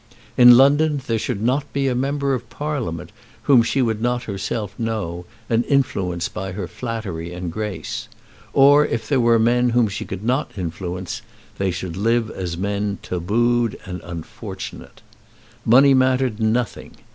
In London there should not be a Member of Parliament whom she would not herself know and influence by her flattery and grace, or if there were men whom she could not influence, they should live as men tabooed and unfortunate. Money mattered nothing.